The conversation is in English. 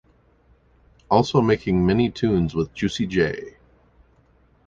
Also making many tunes with Juicy J.